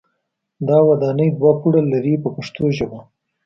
دا ودانۍ دوه پوړه لري په پښتو ژبه.